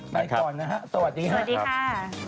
ไปก่อนนะฮะสวัสดีครับสวัสดีค่ะ